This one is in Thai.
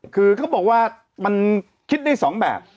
คือเขาบอกว่ามันคิดได้๒แบบ